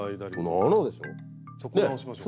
そこ直しましょう。